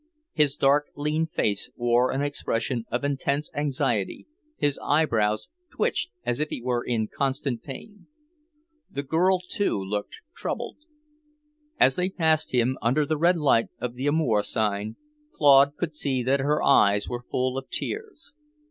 His dark, lean face wore an expression of intense anxiety, his eyebrows twitched as if he were in constant pain. The girl, too, looked troubled. As they passed him, under the red light of the Amour sign, Claude could see that her eyes were full of tears.